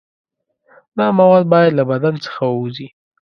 دا مواد باید له بدن څخه ووځي.